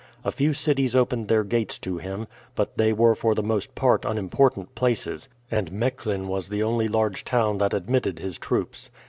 A few cities opened their gates to him; but they were for the most part unimportant places, and Mechlin was the only large town that admitted his troops.